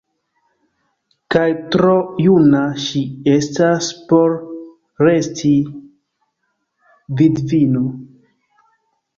Kaj tro juna ŝi estas por resti vidvino!